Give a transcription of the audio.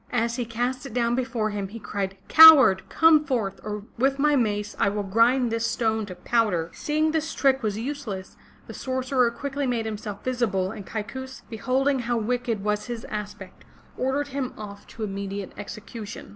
As he cast it down before him, he cried: Coward, come forth or with my mace I will grind this stone to powder!" Seeing his trick was useless, the sorcerer quickly made him self visible and Kaikous beholding how wicked was his aspect, ordered him off to immediate execution.